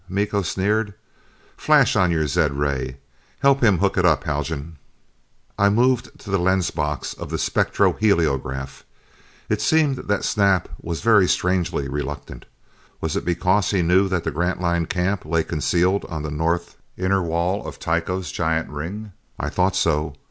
Miko sneered. "Flash on your zed ray; help him hook it up, Haljan." I moved to the lens box of the spectroheliograph. It seemed that Snap was very strangely reluctant. Was it because he knew that the Grantline camp lay concealed on the north inner wall of Tycho's giant ring? I thought so.